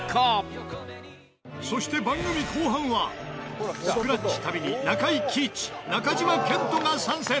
そして番組後半はスクラッチ旅に中井貴一中島健人が参戦